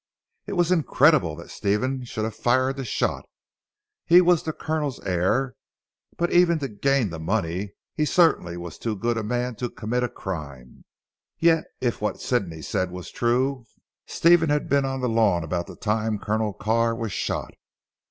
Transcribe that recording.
It was incredible that Stephen should have fired the shot. He was the Colonel's heir; but even to gain the money he certainly was too good a man to commit a crime. Yet if what Sidney said was true, Stephen had been on the lawn about the time Colonel Carr was shot.